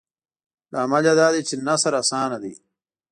لامل یې دادی چې نثر اسان دی.